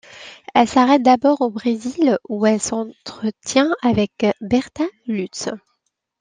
Elle s'arrête d'abord au Brésil où elle s'entretient avec Bertha Lutz.